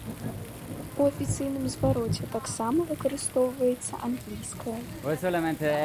У афіцыйным звароце таксама выкарыстоўваецца англійская.